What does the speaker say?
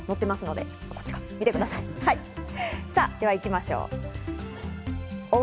では行きましょう。